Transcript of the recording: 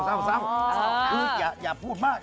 จริงอย่าพูดมาก